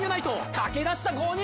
駆け出した５人！